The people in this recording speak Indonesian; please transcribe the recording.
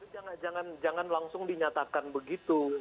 jangan jangan jangan langsung dinyatakan begitu